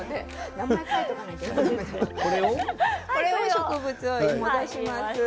植物を戻します。